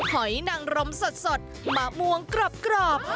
หอยนังรมสดมะม่วงกรอบ